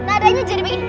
nadanya jadi begini